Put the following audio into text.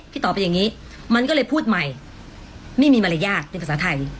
ตอบเป็นอย่างนี้มันก็เลยพูดใหม่ไม่มีมารยาทเป็นภาษาไทย